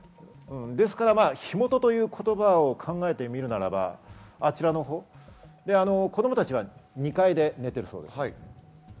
火元という言葉を考えてみるならば、あちらのほう、子供たちは２階で寝ているそうです。